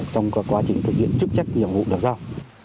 trong các quá trình thực hiện chức trách nhiệm vụ được sao